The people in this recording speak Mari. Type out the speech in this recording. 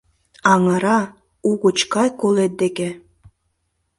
Аҥыра, угыч кай колет деке;